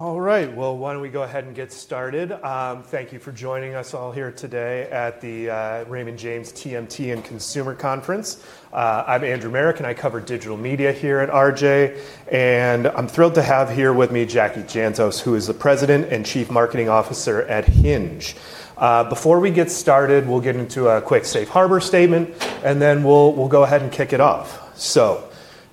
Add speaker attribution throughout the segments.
Speaker 1: All right, well, why don't we go ahead and get started. Thank you for joining us all here today at the Raymond James TMT and Consumer Conference. I'm Andrew Merrick, and I cover digital media here at RJ, and I'm thrilled to have here with me Jackie Jantos, who is the President and Chief Marketing Officer at Hinge. Before we get started, we'll get into a quick safe harbor statement, and then we'll go ahead and kick it off, so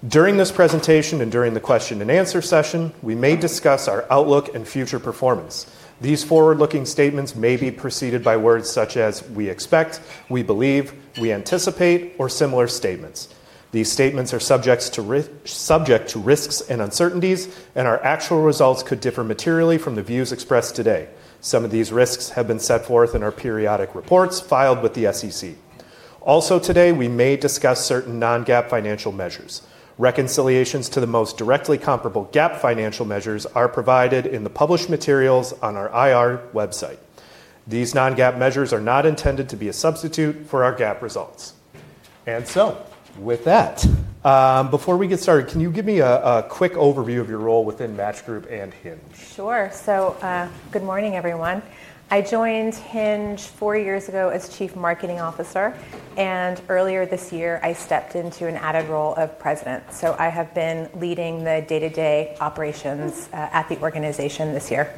Speaker 1: during this presentation and during the question-and-answer session, we may discuss our outlook and future performance. These forward-looking statements may be preceded by words such as "we expect," "we believe," "we anticipate," or similar statements. These statements are subject to risks and uncertainties, and our actual results could differ materially from the views expressed today. Some of these risks have been set forth in our periodic reports filed with the SEC. Also today, we may discuss certain non-GAAP financial measures. Reconciliations to the most directly comparable GAAP financial measures are provided in the published materials on our IR website. These non-GAAP measures are not intended to be a substitute for our GAAP results. And so, with that, before we get started, can you give me a quick overview of your role within Match Group and Hinge?
Speaker 2: Sure. So, good morning, everyone. I joined Hinge four years ago as Chief Marketing Officer, and earlier this year, I stepped into an added role of President. So, I have been leading the day-to-day operations at the organization this year.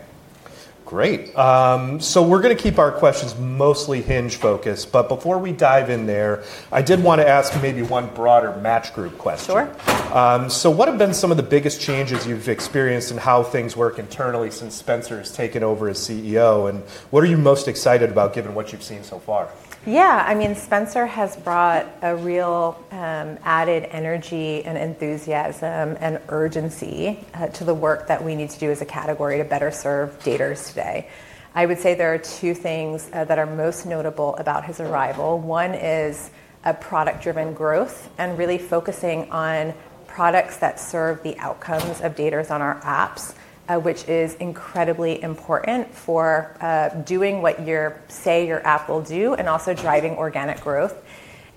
Speaker 1: Great. So, we're going to keep our questions mostly Hinge-focused, but before we dive in there, I did want to ask maybe one broader Match Group question.
Speaker 2: Sure.
Speaker 1: So, what have been some of the biggest changes you've experienced in how things work internally since Spencer has taken over as CEO, and what are you most excited about given what you've seen so far?
Speaker 2: Yeah, I mean, Spencer has brought a real added energy and enthusiasm and urgency to the work that we need to do as a category to better serve daters today. I would say there are two things that are most notable about his arrival. One is product-driven growth and really focusing on products that serve the outcomes of daters on our apps, which is incredibly important for doing what you say your app will do and also driving organic growth,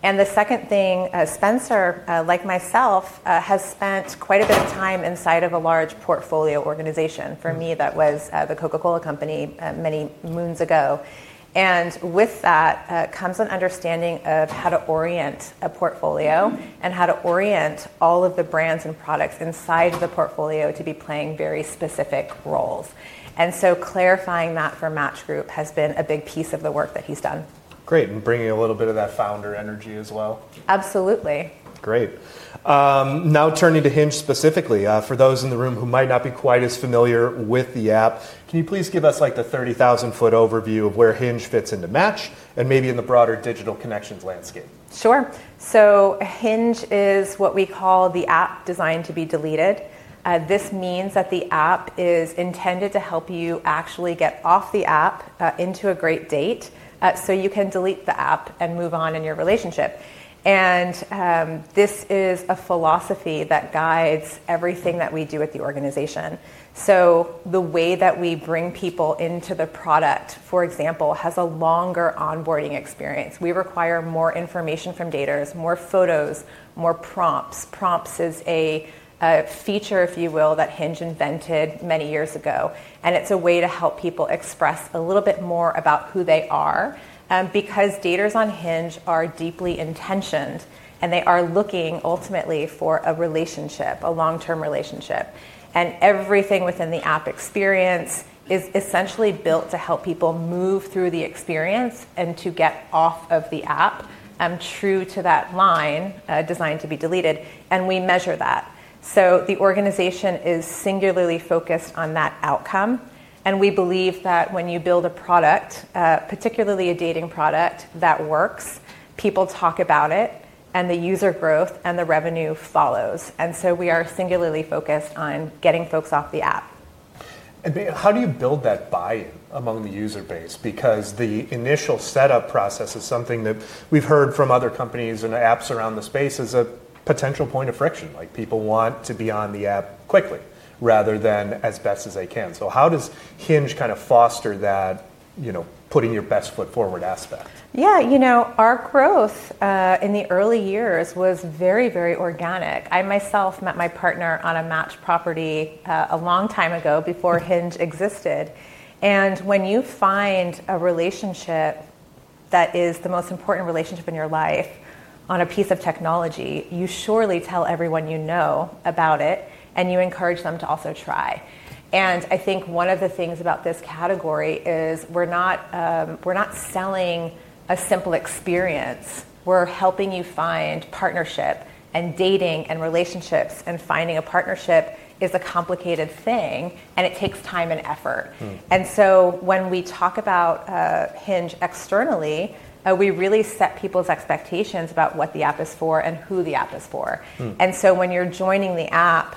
Speaker 2: and the second thing, Spencer, like myself, has spent quite a bit of time inside of a large portfolio organization. For me, that was the Coca-Cola Company many moons ago, and with that comes an understanding of how to orient a portfolio and how to orient all of the brands and products inside the portfolio to be playing very specific roles. And so, clarifying that for Match Group has been a big piece of the work that he's done.
Speaker 1: Great. And bringing a little bit of that founder energy as well.
Speaker 2: Absolutely.
Speaker 1: Great. Now, turning to Hinge specifically, for those in the room who might not be quite as familiar with the app, can you please give us, like, the 30,000-foot overview of where Hinge fits into Match and maybe in the broader digital connections landscape?
Speaker 2: Sure. So, Hinge is what we call the app designed to be deleted. This means that the app is intended to help you actually get off the app into a great date so you can delete the app and move on in your relationship, and this is a philosophy that guides everything that we do at the organization, so the way that we bring people into the product, for example, has a longer onboarding experience. We require more information from daters, more photos, more prompts. Prompts is a feature, if you will, that Hinge invented many years ago, and it's a way to help people express a little bit more about who they are because daters on Hinge are deeply intentional, and they are looking ultimately for a relationship, a long-term relationship. And everything within the app experience is essentially built to help people move through the experience and to get off of the app, true to that line designed to be deleted. And we measure that. So, the organization is singularly focused on that outcome. And we believe that when you build a product, particularly a dating product, that works, people talk about it, and the user growth and the revenue follows. And so, we are singularly focused on getting folks off the app.
Speaker 1: How do you build that buy-in among the user base? Because the initial setup process is something that we've heard from other companies and apps around the space is a potential point of friction. Like, people want to be on the app quickly rather than as best as they can. So, how does Hinge kind of foster that, you know, putting your best foot forward aspect?
Speaker 2: Yeah, you know, our growth in the early years was very, very organic. I myself met my partner on a Match property a long time ago before Hinge existed, and when you find a relationship that is the most important relationship in your life on a piece of technology, you surely tell everyone you know about it, and you encourage them to also try, and I think one of the things about this category is we're not selling a simple experience. We're helping you find partnership, and dating, and relationships, and finding a partnership is a complicated thing, and it takes time and effort, and so, when we talk about Hinge externally, we really set people's expectations about what the app is for and who the app is for. And so, when you're joining the app,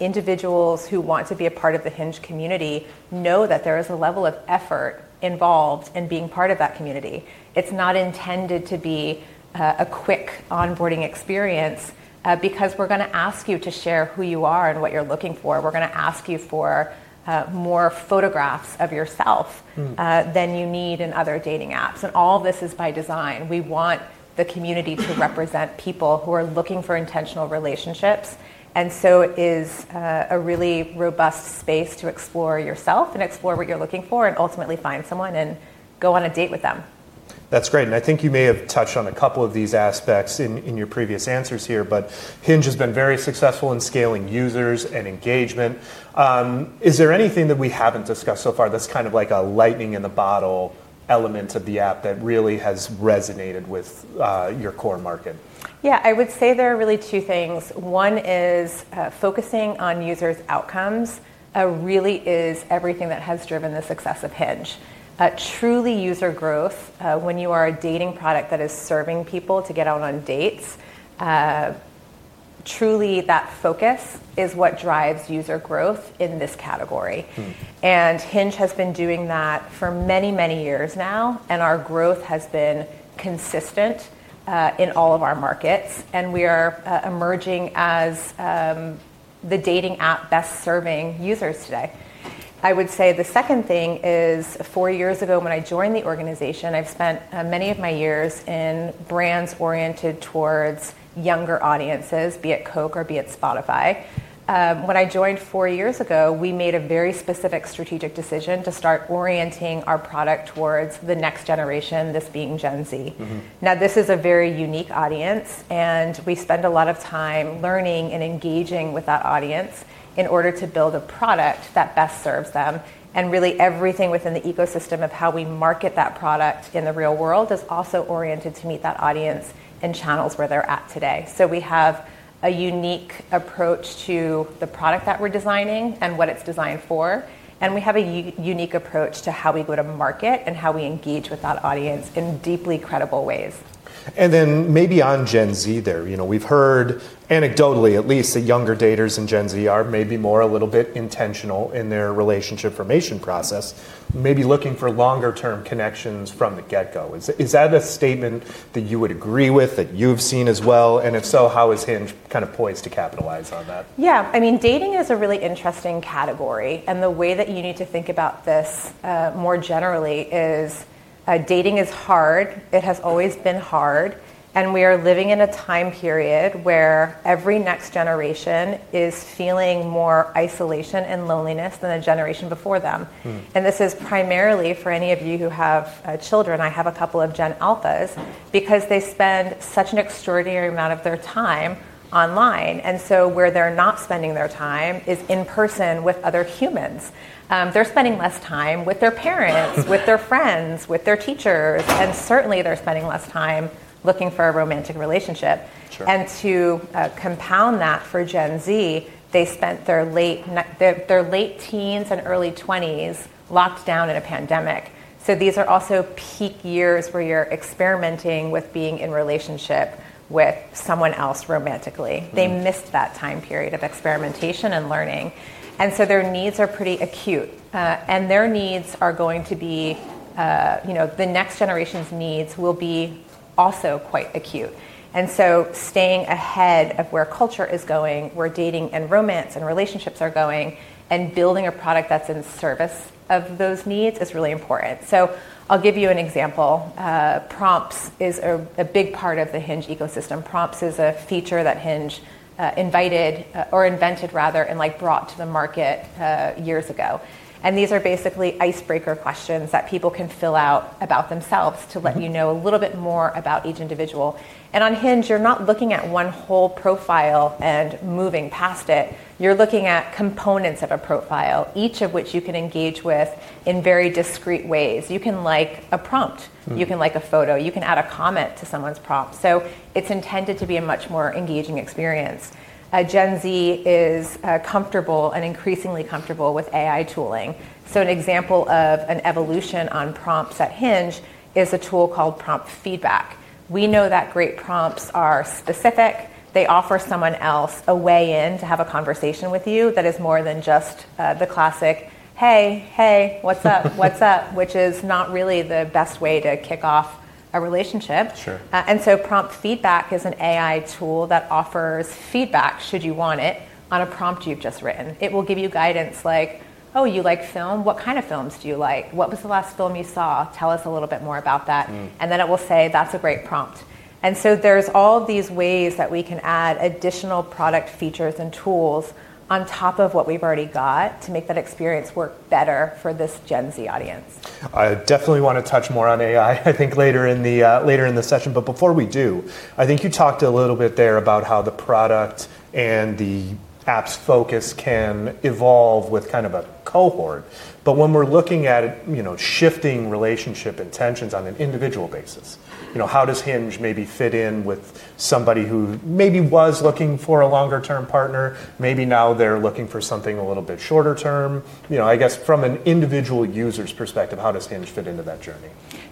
Speaker 2: individuals who want to be a part of the Hinge community know that there is a level of effort involved in being part of that community. It's not intended to be a quick onboarding experience because we're going to ask you to share who you are and what you're looking for. We're going to ask you for more photographs of yourself than you need in other dating apps. And all of this is by design. We want the community to represent people who are looking for intentional relationships. And so, it is a really robust space to explore yourself and explore what you're looking for and ultimately find someone and go on a date with them.
Speaker 1: That's great. And I think you may have touched on a couple of these aspects in your previous answers here, but Hinge has been very successful in scaling users and engagement. Is there anything that we haven't discussed so far that's kind of like a lightning in the bottle element of the app that really has resonated with your core market?
Speaker 2: Yeah, I would say there are really two things. One is focusing on users' outcomes really is everything that has driven the success of Hinge. Truly, user growth when you are a dating product that is serving people to get out on dates, truly that focus is what drives user growth in this category, and Hinge has been doing that for many, many years now, and our growth has been consistent in all of our markets, and we are emerging as the dating app best serving users today. I would say the second thing is four years ago when I joined the organization. I've spent many of my years in brands oriented towards younger audiences, be it Coke or be it Spotify. When I joined four years ago, we made a very specific strategic decision to start orienting our product towards the next generation, this being Gen Z. Now, this is a very unique audience, and we spend a lot of time learning and engaging with that audience in order to build a product that best serves them. And really, everything within the ecosystem of how we market that product in the real world is also oriented to meet that audience and channels where they're at today. So, we have a unique approach to the product that we're designing and what it's designed for. And we have a unique approach to how we go to market and how we engage with that audience in deeply credible ways.
Speaker 1: And then maybe on Gen Z there, you know, we've heard anecdotally at least that younger daters in Gen Z are maybe more a little bit intentional in their relationship formation process, maybe looking for longer-term connections from the get-go. Is that a statement that you would agree with, that you've seen as well? And if so, how is Hinge kind of poised to capitalize on that?
Speaker 2: Yeah, I mean, dating is a really interesting category, and the way that you need to think about this more generally is dating is hard. It has always been hard, and we are living in a time period where every next generation is feeling more isolation and loneliness than the generation before them. And this is primarily for any of you who have children. I have a couple of Gen Alphas because they spend such an extraordinary amount of their time online, and so, where they're not spending their time is in person with other humans. They're spending less time with their parents, with their friends, with their teachers, and certainly they're spending less time looking for a romantic relationship, and to compound that for Gen Z, they spent their late teens and early 20s locked down in a pandemic. These are also peak years where you're experimenting with being in relationship with someone else romantically. They missed that time period of experimentation and learning. And so, their needs are pretty acute. And their needs are going to be, you know, the next generation's needs will be also quite acute. And so, staying ahead of where culture is going, where dating and romance and relationships are going, and building a product that's in service of those needs is really important. So, I'll give you an example. Prompts is a big part of the Hinge ecosystem. Prompts is a feature that Hinge invited, or invented rather, and, like, brought to the market years ago. And these are basically icebreaker questions that people can fill out about themselves to let you know a little bit more about each individual. And on Hinge, you're not looking at one whole profile and moving past it. You're looking at components of a profile, each of which you can engage with in very discreet ways. You can, like, a prompt. You can, like, a photo. You can add a comment to someone's prompt. So, it's intended to be a much more engaging experience. Gen Z is comfortable and increasingly comfortable with AI tooling. So, an example of an evolution on prompts at Hinge is a tool called Prompt Feedback. We know that great prompts are specific. They offer someone else a way in to have a conversation with you that is more than just the classic, "Hey, hey, what's up? What's up?" which is not really the best way to kick off a relationship. Prompt Feedback is an AI tool that offers feedback should you want it on a prompt you've just written. It will give you guidance like, "Oh, you like film? What kind of films do you like? What was the last film you saw? Tell us a little bit more about that." And then it will say, "That's a great prompt." There's all these ways that we can add additional product features and tools on top of what we've already got to make that experience work better for this Gen Z audience.
Speaker 1: I definitely want to touch more on AI, I think, later in the session. But before we do, I think you talked a little bit there about how the product and the app's focus can evolve with kind of a cohort. But when we're looking at, you know, shifting relationship intentions on an individual basis, you know, how does Hinge maybe fit in with somebody who maybe was looking for a longer-term partner? Maybe now they're looking for something a little bit shorter term. You know, I guess from an individual user's perspective, how does Hinge fit into that journey?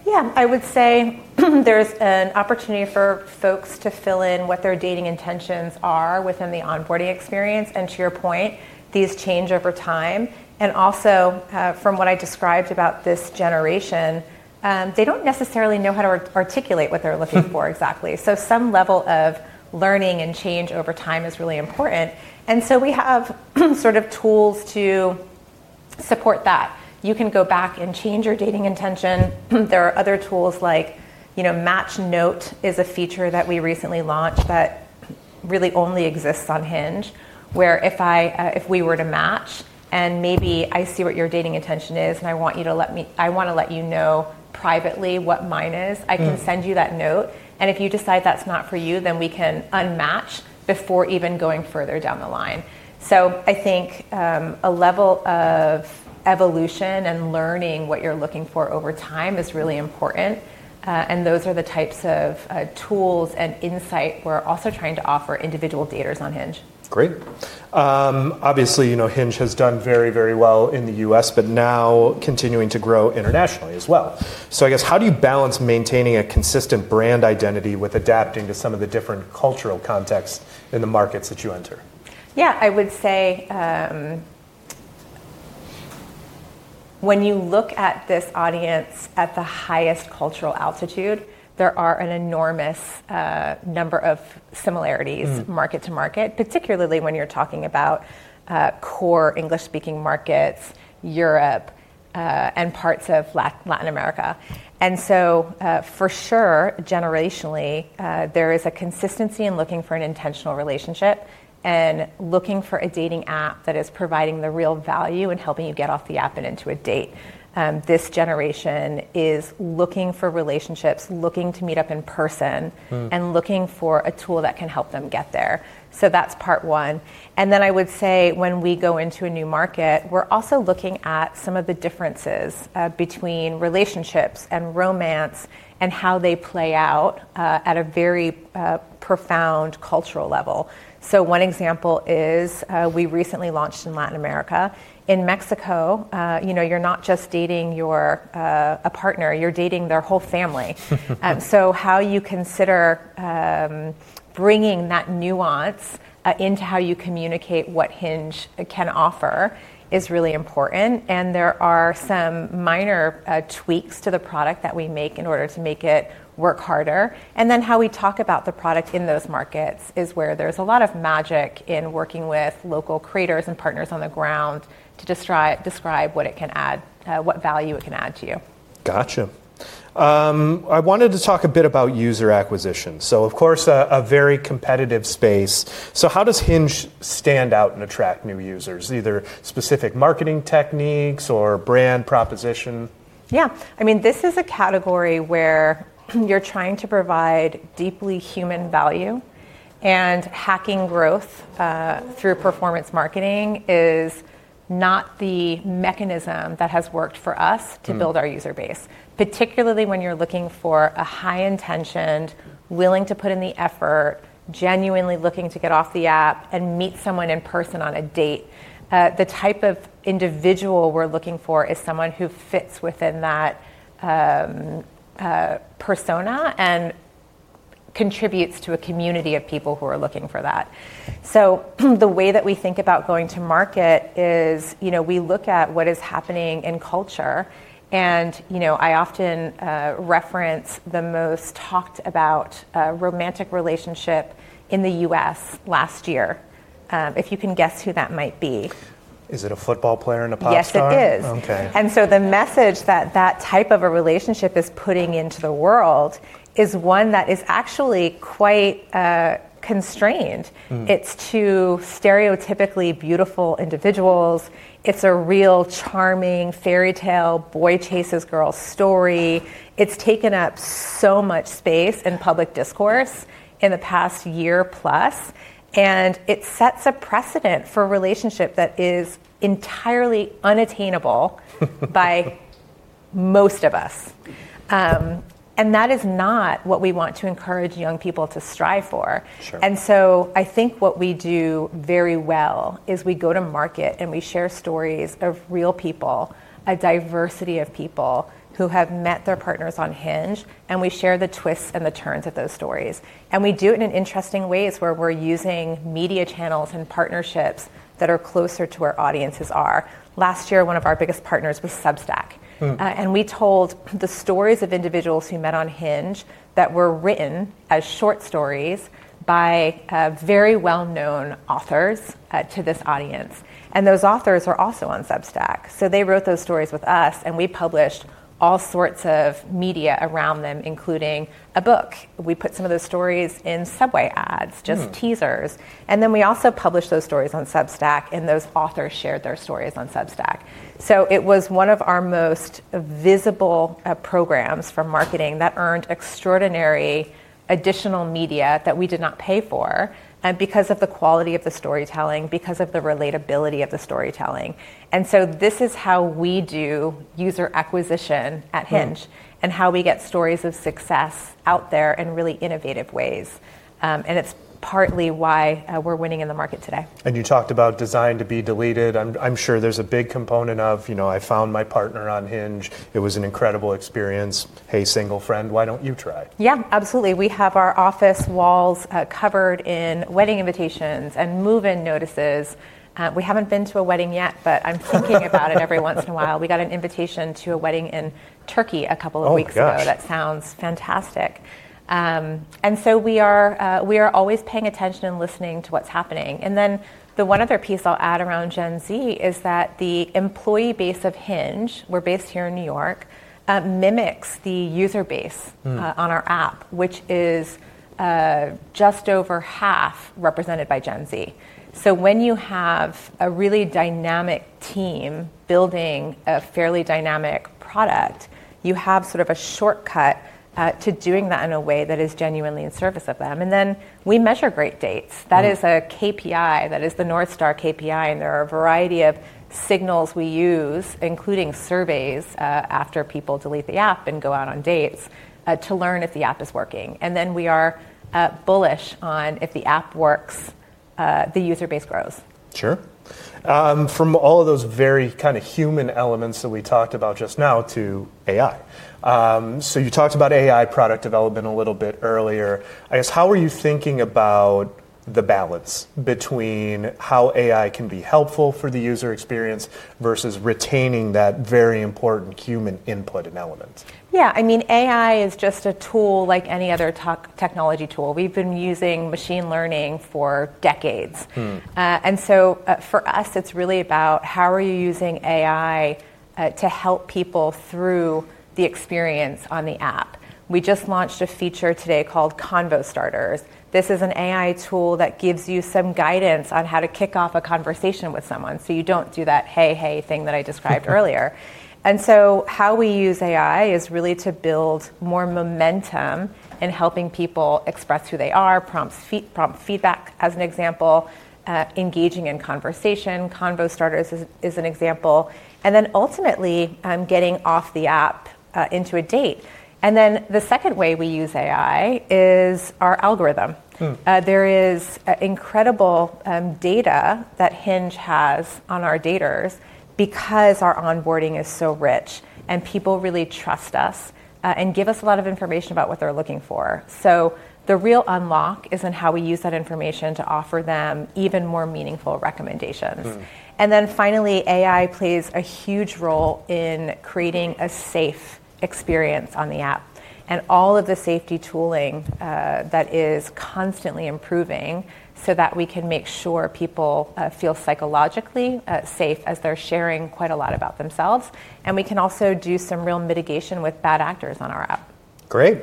Speaker 2: Yeah, I would say there's an opportunity for folks to fill in what their dating intentions are within the onboarding experience. And to your point, these change over time. And also, from what I described about this generation, they don't necessarily know how to articulate what they're looking for exactly. So, some level of learning and change over time is really important. And so, we have sort of tools to support that. You can go back and change your dating intention. There are other tools like, you know, Match Note is a feature that we recently launched that really only exists on Hinge, where if we were to match and maybe I see what your dating intention is and I want to let you know privately what mine is, I can send you that note. And if you decide that's not for you, then we can unmatch before even going further down the line. So, I think a level of evolution and learning what you're looking for over time is really important. And those are the types of tools and insight we're also trying to offer individual daters on Hinge.
Speaker 1: Great. Obviously, you know, Hinge has done very, very well in the U.S., but now continuing to grow internationally as well. So, I guess how do you balance maintaining a consistent brand identity with adapting to some of the different cultural contexts in the markets that you enter?
Speaker 2: Yeah, I would say when you look at this audience at the highest cultural altitude, there are an enormous number of similarities market to market, particularly when you're talking about core English-speaking markets, Europe, and parts of Latin America, and so, for sure, generationally, there is a consistency in looking for an intentional relationship and looking for a dating app that is providing the real value and helping you get off the app and into a date. This generation is looking for relationships, looking to meet up in person, and looking for a tool that can help them get there, so that's part one, and then I would say when we go into a new market, we're also looking at some of the differences between relationships and romance and how they play out at a very profound cultural level, so one example is we recently launched in Latin America. In Mexico, you know, you're not just dating a partner. You're dating their whole family. So, how you consider bringing that nuance into how you communicate what Hinge can offer is really important. And there are some minor tweaks to the product that we make in order to make it work harder. And then how we talk about the product in those markets is where there's a lot of magic in working with local creators and partners on the ground to describe what it can add, what value it can add to you.
Speaker 1: Gotcha. I wanted to talk a bit about user acquisition. So, of course, a very competitive space. So, how does Hinge stand out and attract new users, either specific marketing techniques or brand proposition?
Speaker 2: Yeah, I mean, this is a category where you're trying to provide deeply human value, and hacking growth through performance marketing is not the mechanism that has worked for us to build our user base, particularly when you're looking for a high-intentioned, willing to put in the effort, genuinely looking to get off the app and meet someone in person on a date. The type of individual we're looking for is someone who fits within that persona and contributes to a community of people who are looking for that. So, the way that we think about going to market is, you know, we look at what is happening in culture, and, you know, I often reference the most talked about romantic relationship in the U.S. last year. If you can guess who that might be.
Speaker 1: Is it a football player and a pop star?
Speaker 2: Yes, it is. And so, the message that that type of a relationship is putting into the world is one that is actually quite constrained. It's two stereotypically beautiful individuals. It's a real charming fairy tale boy chases girl story. It's taken up so much space in public discourse in the past year plus. And it sets a precedent for a relationship that is entirely unattainable by most of us. And that is not what we want to encourage young people to strive for. And so, I think what we do very well is we go to market and we share stories of real people, a diversity of people who have met their partners on Hinge, and we share the twists and the turns of those stories. And we do it in interesting ways where we're using media channels and partnerships that are closer to where audiences are. Last year, one of our biggest partners was Substack, and we told the stories of individuals who met on Hinge that were written as short stories by very well-known authors to this audience, and those authors are also on Substack, so they wrote those stories with us, and we published all sorts of media around them, including a book. We put some of those stories in subway ads, just teasers, and then we also published those stories on Substack, and those authors shared their stories on Substack, so it was one of our most visible programs for marketing that earned extraordinary additional media that we did not pay for because of the quality of the storytelling, because of the relatability of the storytelling, and so this is how we do user acquisition at Hinge and how we get stories of success out there in really innovative ways. It's partly why we're winning in the market today.
Speaker 1: You talked about designed to be deleted. I'm sure there's a big component of, you know, I found my partner on Hinge. It was an incredible experience. Hey, single friend, why don't you try?
Speaker 2: Yeah, absolutely. We have our office walls covered in wedding invitations and move-in notices. We haven't been to a wedding yet, but I'm thinking about it every once in a while. We got an invitation to a wedding in Turkey a couple of weeks ago. That sounds fantastic, and so we are always paying attention and listening to what's happening, and then the one other piece I'll add around Gen Z is that the employee base of Hinge, we're based here in New York, mimics the user base on our app, which is just over half represented by Gen Z, so when you have a really dynamic team building a fairly dynamic product, you have sort of a shortcut to doing that in a way that is genuinely in service of them, and then we measure great dates. That is a KPI. That is the North Star KPI. There are a variety of signals we use, including surveys after people delete the app and go out on dates to learn if the app is working. We are bullish on if the app works, the user base grows.
Speaker 1: Sure. From all of those very kind of human elements that we talked about just now to AI. So, you talked about AI product development a little bit earlier. I guess how are you thinking about the balance between how AI can be helpful for the user experience versus retaining that very important human input and element?
Speaker 2: Yeah, I mean, AI is just a tool like any other technology tool. We've been using machine learning for decades. And so, for us, it's really about how are you using AI to help people through the experience on the app. We just launched a feature today called Convo Starters. This is an AI tool that gives you some guidance on how to kick off a conversation with someone. So, you don't do that hey, hey thing that I described earlier. And so, how we use AI is really to build more momentum in helping people express who they are, Prompt Feedback as an example, engaging in conversation. Convo Starters is an example. And then ultimately, getting off the app into a date. And then the second way we use AI is our algorithm. There is incredible data that Hinge has on our daters because our onboarding is so rich and people really trust us and give us a lot of information about what they're looking for. So, the real unlock is in how we use that information to offer them even more meaningful recommendations. And then finally, AI plays a huge role in creating a safe experience on the app and all of the safety tooling that is constantly improving so that we can make sure people feel psychologically safe as they're sharing quite a lot about themselves. And we can also do some real mitigation with bad actors on our app.
Speaker 1: Great.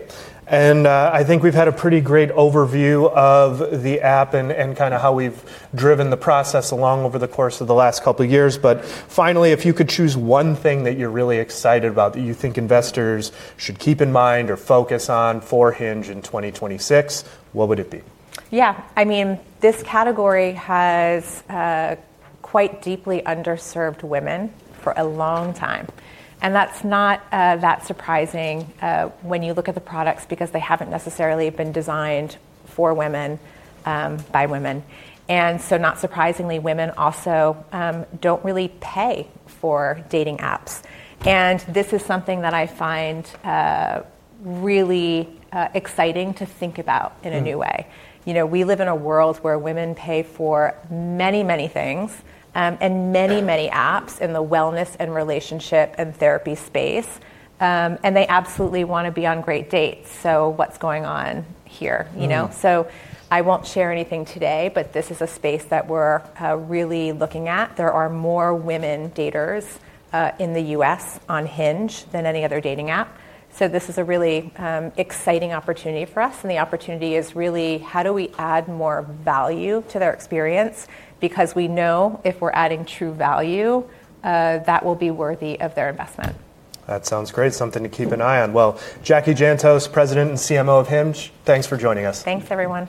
Speaker 1: And I think we've had a pretty great overview of the app and kind of how we've driven the process along over the course of the last couple of years. But finally, if you could choose one thing that you're really excited about that you think investors should keep in mind or focus on for Hinge in 2026, what would it be?
Speaker 2: Yeah, I mean, this category has quite deeply underserved women for a long time. And that's not that surprising when you look at the products because they haven't necessarily been designed for women by women. And so, not surprisingly, women also don't really pay for dating apps. And this is something that I find really exciting to think about in a new way. You know, we live in a world where women pay for many, many things and many, many apps in the wellness and relationship and therapy space. And they absolutely want to be on great dates. So, what's going on here? You know, so I won't share anything today, but this is a space that we're really looking at. There are more women daters in the U.S. on Hinge than any other dating app. So, this is a really exciting opportunity for us. The opportunity is really how do we add more value to their experience because we know if we're adding true value, that will be worthy of their investment.
Speaker 1: That sounds great. Something to keep an eye on. Well, Jackie Jantos, President and CMO of Hinge, thanks for joining us.
Speaker 2: Thanks, everyone.